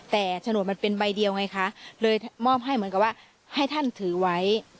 แต่โฉนดมันเป็นใบเดียวไงคะเลยมอบให้เหมือนกับว่าให้ท่านถือไว้